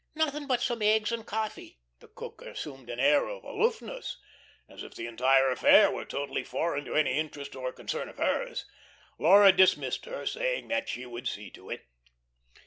"Nothing but some eggs and coffee." The cook assumed an air of aloofness, as if the entire affair were totally foreign to any interest or concern of hers. Laura dismissed her, saying that she would see to it.